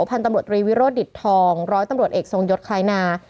พันธุ์ตำรวจตรีวิโรธดิตทองร้อยตำรวจเอกทรงยศคล้ายนา